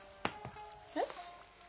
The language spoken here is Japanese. えっ？